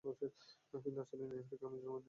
কিন্তু আসলে, নীহারিকা এবং আমি জন্মদিনের বন্ধু।